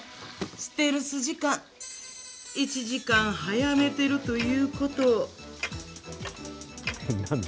ステルス時間、１時間早めてるということを。